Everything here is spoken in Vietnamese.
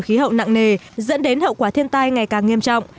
khí hậu nặng nề dẫn đến hậu quả thiên tai ngày càng nghiêm trọng